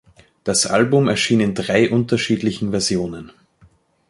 Das Album erschien in drei unterschiedlichen Versionen.